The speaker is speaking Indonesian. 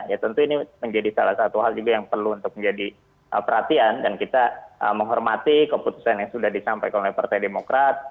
ya tentu ini menjadi salah satu hal juga yang perlu untuk menjadi perhatian dan kita menghormati keputusan yang sudah disampaikan oleh partai demokrat